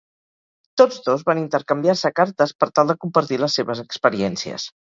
Tots dos van intercanviar-se cartes per tal de compartir les seves experiències.